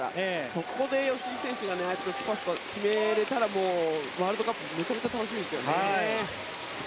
そこで吉井選手がスパスパ決められたらワールドカップめちゃくちゃ楽しみですよね。